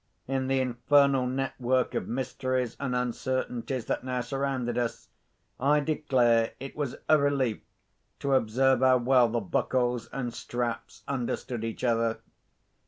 In the infernal network of mysteries and uncertainties that now surrounded us, I declare it was a relief to observe how well the buckles and straps understood each other!